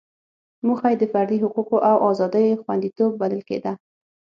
موخه یې د فردي حقوقو او ازادیو خوندیتوب بلل کېده.